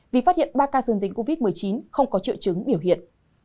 vì phát hiện ba ca dương tính covid một mươi chín không có triệu chứng biểu hiện